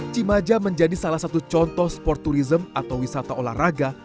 cimaja menjadi salah satu contoh sporturism atau wisata olahraga